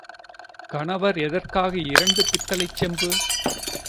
கணவர் எதற்காக இரண்டு பித்தளைச் சொம்பு?